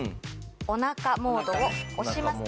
お腹モードを押します。